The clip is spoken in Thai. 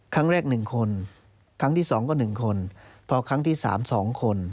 ครั้งแรก๑คนครั้งที่๒ก็๑คนพอครั้งที่๓๒คน